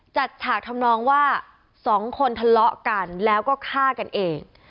ฉากทำนองว่าสองคนทะเลาะกันแล้วก็ฆ่ากันเอง